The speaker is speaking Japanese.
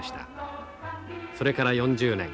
それから４０年。